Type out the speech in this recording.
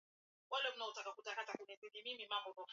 inasimamia mamlaka za kifedha kikanda na kimataifa